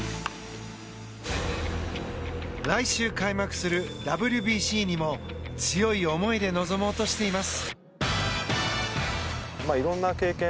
来週開幕するＷＢＣにも強い思いで臨もうとしています。